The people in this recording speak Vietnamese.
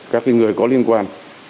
các người có liên quan